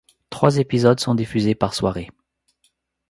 Trois épisodes sont diffusés par soirée.